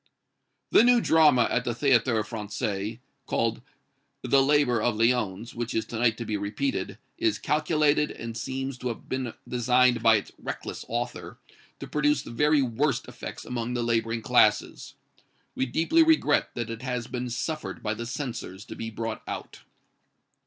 "THE NEW DRAMA at the Théâtre Français, called 'The Laborer of Lyons,' which is to night to be repeated, is calculated and seems to have been designed by its reckless author to produce the very worst effects among the laboring classes. We deeply regret that it has been suffered by the censors to be brought out."